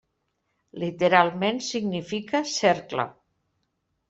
Literalment significa cercle.